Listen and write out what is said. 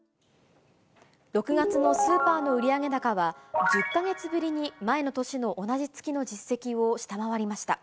６月のスーパーの売上高は、１０か月ぶりに前の年の同じ月の実績を下回りました。